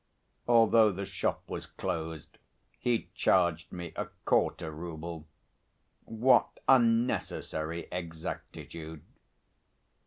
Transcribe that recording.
Although the shop was closed he charged me a quarter rouble! What unnecessary exactitude!